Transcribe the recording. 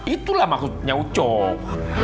itulah maksudnya ucok